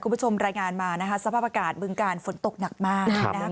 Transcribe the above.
คุณผู้ชมรายงานมานะคะสภาพอากาศบึงกาลฝนตกหนักมากนะครับ